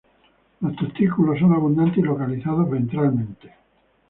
Los testículos son abundantes y localizados ventralmente.